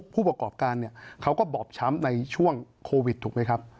ผู้ประกอบการเขาก็บอบช้ำในช่วงโควิดถูกไหมครับ